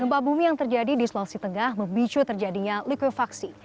gempa bumi yang terjadi di sulawesi tengah memicu terjadinya likuifaksi